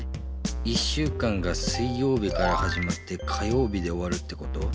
１週間が水曜日からはじまって火曜日でおわるってこと？